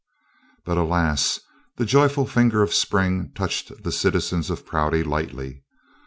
But, alas, the joyful finger of spring touched the citizens of Prouty lightly.